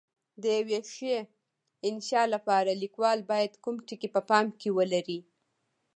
د یوې ښې انشأ لپاره لیکوال باید کوم ټکي په پام کې ولري؟